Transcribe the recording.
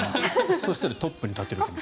そしたらトップに立てる。